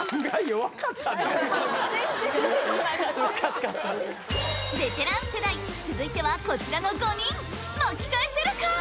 ・難しかったベテラン世代続いてはこちらの５人巻き返せるか？